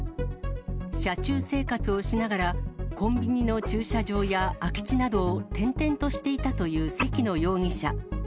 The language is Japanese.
車中生活をしながら、コンビニの駐車場や空き地などを転々としていたという関野容疑者。